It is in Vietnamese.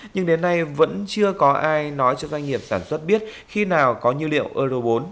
nhưng đến nay vẫn chưa có ai nói cho doanh nghiệp sản xuất biết khi nào có nhiên liệu euro bốn